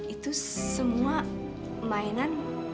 itu semua mainan